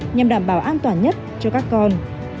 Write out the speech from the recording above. nhằm đảm bảo an toàn nhất cho các con